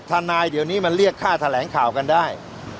ทนายเดี๋ยวนี้มันเรียกค่าแถลงข่าวกันได้